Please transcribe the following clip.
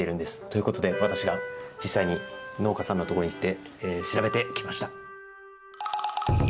ということで私が実際に農家さんのところに行って調べてきました。